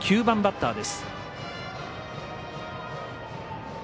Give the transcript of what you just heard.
９番バッターです。